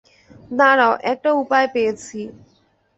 দাড়াও, একটা উপায় পেয়েছি!